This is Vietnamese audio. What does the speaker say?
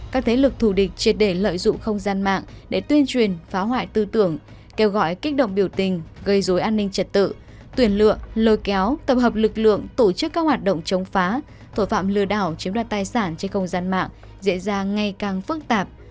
các thế lực thù địch triệt để lợi dụng không gian mạng để tuyên truyền phá hoại tư tưởng kêu gọi kích động biểu tình gây dối an ninh trật tự tuyển lựa kéo tập hợp lực lượng tổ chức các hoạt động chống phá tội phạm lừa đảo chiếm đoạt tài sản trên không gian mạng diễn ra ngay càng phức tạp